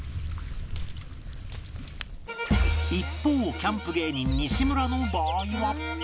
一方キャンプ芸人西村の場合は